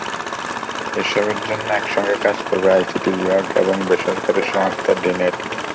এসবের জন্য একসঙ্গে কাজ করবে আইসিটি বিভাগ এবং বেসরকারি সংস্থা ডিনেট।